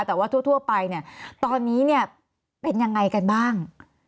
แต่ว่าทั่วไปเนี่ยตอนนี้เนี่ยเป็นยังไงกันบ้าง